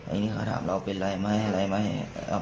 อันนี้เขาถามเราเป็นอะไรไหมอะไรไหม